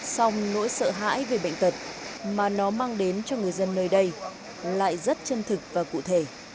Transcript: xong nỗi sợ hãi về bệnh tật mà nó mang đến cho người dân nơi đây lại rất chân thực và cụ thể